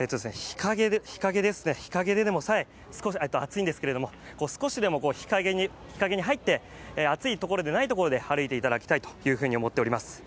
日陰ででもさえ暑いんですけれども少しでも日陰に入って暑いところでないところで歩いていただきたいと思っております。